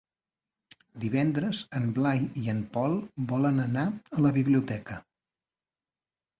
Divendres en Blai i en Pol volen anar a la biblioteca.